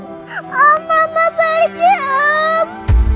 om mama pergi om